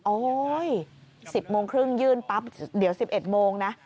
๑๐โมงครึ่งยื่นปั๊บเดี๋ยว๑๑โมงนะ